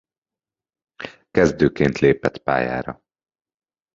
Kezdőként lépett pályára.